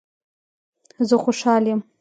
زه خوشحال یم